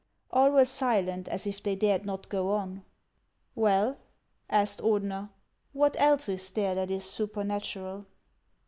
All were silent, as if they dared not go on. " Well," asked Ordener, " what else is there that is supernatural